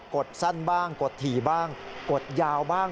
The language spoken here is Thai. กดสั้นบ้างกดถี่บ้างกดยาวบ้าง